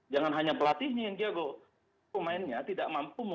jangan hanya pelatihnya yang diago pemainnya tidak mampu memuaskan